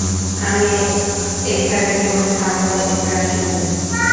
আমি এখানে কোনো ঝামেলা করতে আসিনি।